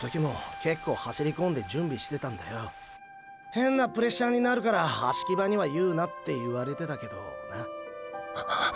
ヘンなプレッシャーになるから葦木場には言うなって言われてたけどな。